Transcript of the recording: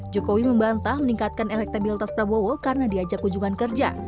jokowi membantah meningkatkan elektabilitas prabowo karena diajak kunjungan kerja